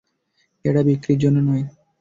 এটা বিক্রির জন্য নয়।